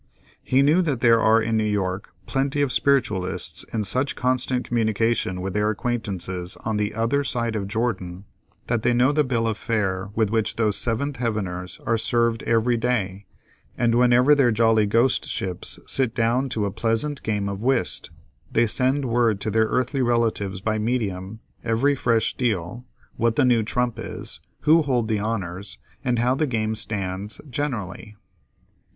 He knew that there are in New York, plenty of spiritualists in such constant communication with their acquaintances on the "other side of Jordan," that they know the bill of fare with which those seventh heaveners are served every day, and whenever their jolly ghostships sit down to a pleasant game of whist, they send word to their earthly relatives by "medium" every fresh deal, what the new trump is, who hold the honors, and how the game stands generally.